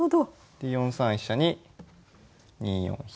で４三飛車に２四飛。